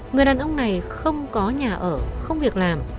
người đàn ông này không có nhà ở không việc làm